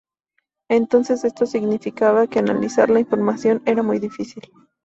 Entonces esto significaba que analizar la información era muy difícil.